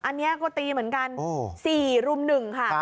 อันนี้ก็ตีเหมือนกัน๔รุ่ม๑ค่ะ